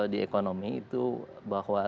di ekonomi itu bahwa